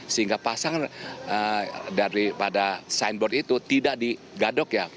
sehingga pasangan daripada signboard itu tidak digadok ya